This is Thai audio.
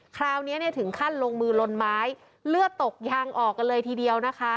คราวนี้เนี่ยถึงขั้นลงมือลนไม้เลือดตกยางออกกันเลยทีเดียวนะคะ